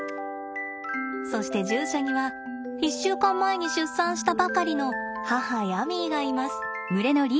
そして獣舎には１週間前に出産したばかりの母ヤミーがいます。